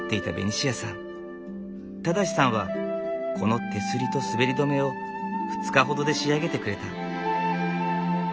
正さんはこの手すりと滑り止めを２日ほどで仕上げてくれた。